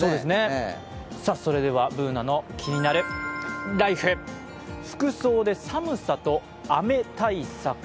それでは「ＢｏｏｎａのキニナルＬＩＦＥ」。服装で寒さと雨対策。